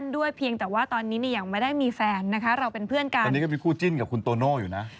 ด้วยเพียงแต่ว่าตอนนี้เนี่ยยังไม่ได้มีแฟนนะคะเราเป็นเพื่อนกันตอนนี้ก็มีคู่จิ้นกับคุณโตโน่อยู่นะ